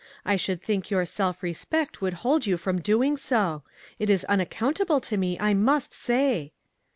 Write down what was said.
I should think your self respect would hold you from doing so. It is unaccountable to me, 'I must say!"